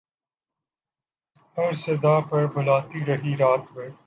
ہر صدا پر بلاتی رہی رات بھر